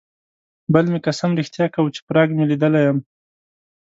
بل مې قسم رښتیا کاوه چې پراګ مې لیدلی یم.